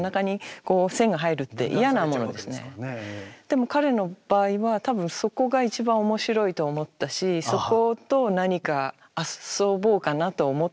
でも彼の場合は多分そこが一番面白いと思ったしそこと何か遊ぼうかなと思ってる感じはあるなと思いました。